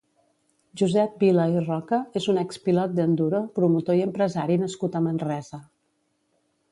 Josep Vila i Roca és un ex-pilot d'enduro, promotor i empresari nascut a Manresa.